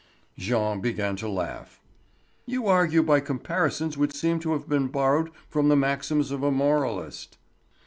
Jean began to laugh. "You argue by comparisons which seem to have been borrowed from the maxims of a moralist."